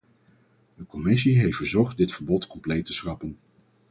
De commissie heeft verzocht dit verbod compleet te schrappen.